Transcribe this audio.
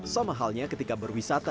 sama halnya ketika berwisata di luar ruangan